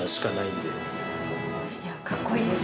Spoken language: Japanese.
かっこいいです。